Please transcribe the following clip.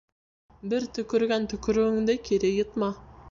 Бер төкөргән төкөрөгөңдө кире йотма.